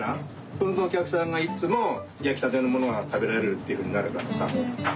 そうするとおきゃくさんがいっつもやきたてのものがたべられるっていうふうになるからさ。